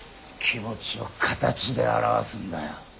気持ちを形で表すんだよ。